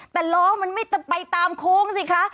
แต่ล้อมันไม่ไปตามโค้งสิคะ